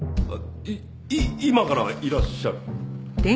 い今からいらっしゃる？